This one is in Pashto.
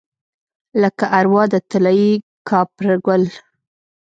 لکه اروا د طلايي کاپرګل